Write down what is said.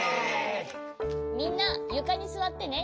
みんなゆかにすわってね。